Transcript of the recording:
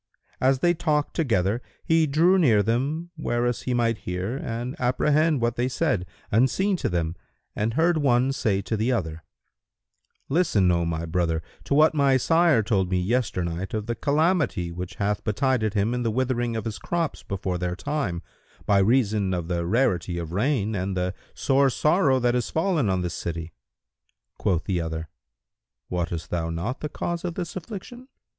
As they talked together he drew near them whereas he might hear and apprehend what they said, unseen of them, and heard one say to the other, "Listen, O my brother, to what my sire told me yesternight of the calamity which hath betided him in the withering of his crops before their time, by reason of the rarity of rain and the sore sorrow that is fallen on this city." Quoth the other, "Wottest thou not the cause of this affliction?"